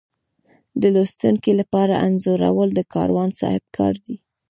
د لوستونکي لپاره انځورول د کاروان صاحب کار دی.